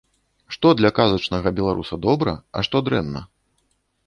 Што для казачнага беларуса добра, а што дрэнна?